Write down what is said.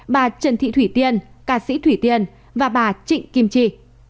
bà trần thị thủy tiên ca sĩ thủy tiên và bà trịnh kim chi